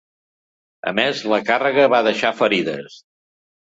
A més, la càrrega va deixar ferides.